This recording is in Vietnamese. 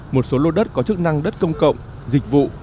một số lô đất có chức năng đất công cộng dịch vụ